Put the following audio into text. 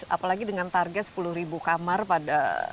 apalagi dengan target sepuluh ribu kamar pada